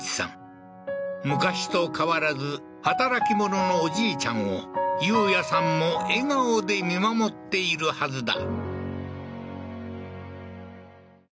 昔と変わらず働き者のおじいちゃんを憂哉さんも笑顔で見守っているはずだ